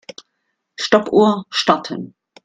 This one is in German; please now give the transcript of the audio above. Stoppuhr starten.